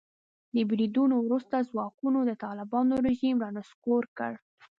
د بریدونو وروسته ځواکونو د طالبانو رژیم را نسکور کړ.